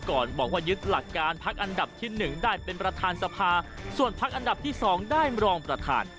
ก่อนบอกว่ายึดหลักการพักอันดับที่๑ได้เป็นประธานสภาส่วนพักอันดับที่๒ได้มรองประธาน